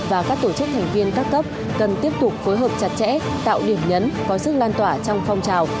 và các tổ chức thành viên các cấp cần tiếp tục phối hợp chặt chẽ tạo điểm nhấn có sức lan tỏa trong phong trào